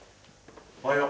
おはよう。